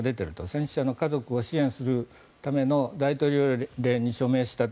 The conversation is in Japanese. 戦死者の家族を支援するための大統領令に署名した。